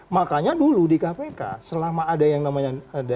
makanya dulu di kpk selama ada yang namanya